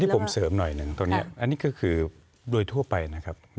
ผมเสริมหน่อยหนึ่งตอนนี้อันนี้ก็คือโดยทั่วไปนะครับ